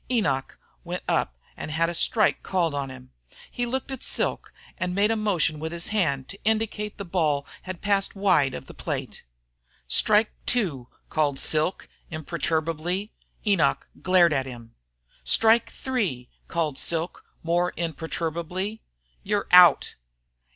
Enoch went up and had a strike called on him. He looked at Silk and made a motion with his hand to indicate the ball had passed wide of the plate. "Strike two!" called Silk, imperturbably. Enoch glared at him. "Strike three!" called Silk, more imperturbably. "You're out!"